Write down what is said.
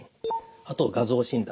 あと画像診断。